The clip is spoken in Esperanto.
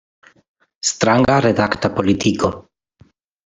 Stranga redakta politiko!